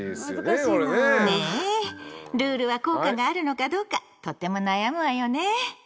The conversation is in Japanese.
ルールは効果があるのかどうかとっても悩むわよね。